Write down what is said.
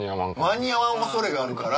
間に合わん恐れがあるから。